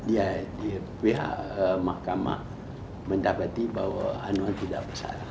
ya di pihak mahkamah mendapati bahwa anwar tidak bersalah